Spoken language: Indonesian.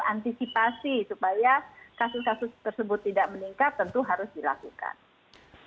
antisipasi supaya kasus kasus tersebut tidak meningkat tentu harus dilakukan